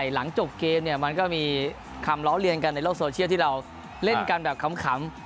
หลังจบเกมเนี่ยมันก็มีคำล้อเลียนกันในโลกโซเชียลที่เราเล่นกันแบบขำ